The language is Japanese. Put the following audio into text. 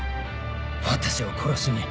私を殺しに